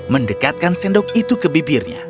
mendekatkan sendok itu ke bibirnya